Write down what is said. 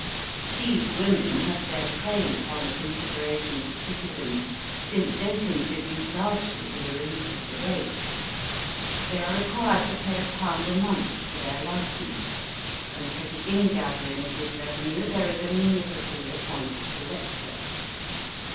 These women have their claim upon the consideration of the citizens, since they contribute largely to the relief of the rates. They are required to pay a pound a month for their licence, and for the ingathering of this revenue there is a municipally appointed collector.